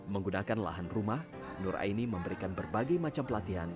menggunakan lahan rumah nur aini memberikan berbagai macam pelatihan